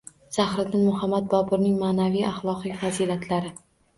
Zahiriddin Muhammad Boburning ma’naviy-axloqiy fazilatlari